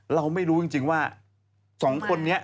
เราไม่รู้จริงว่า๒คนนี้